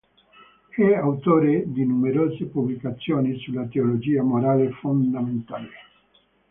È autore di numerose pubblicazioni sulla teologia morale fondamentale.